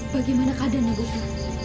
bagaimana keadaannya bopo